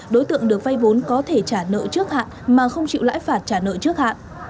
đối tượng được vay vốn có thể trả nợ trước hạn mà không chịu lãi phạt trả nợ trước hạn